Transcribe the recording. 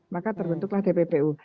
maka terbentuklah tppu